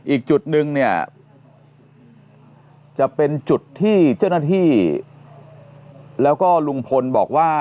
อีกจุดนึงเนี่ยจะเป็นจุดที่เจ้าหน้าที่แล้วก็ลุงพลบอกว่า